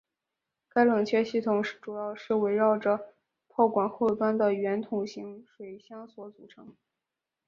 该冷却系统主要是围绕着炮管后端的圆筒形水箱所组成。